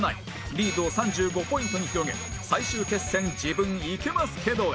リードを３５ポイントに広げ最終決戦自分イケますけどへ